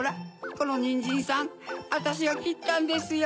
このニンジンさんあたしがきったんですよ！